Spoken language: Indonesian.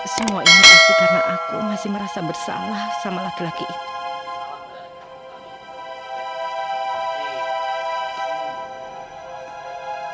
semua ini pasti karena aku masih merasa bersalah sama laki laki itu